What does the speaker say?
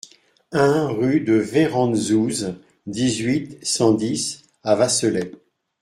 un rue de Werentzhouse, dix-huit, cent dix à Vasselay